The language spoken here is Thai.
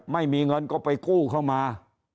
ไม่มีเงินก็ไปกู้เข้ามา